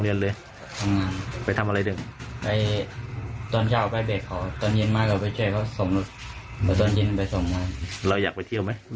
อยู่ในแม่แล้วก่อนอยู่ใช่ไหม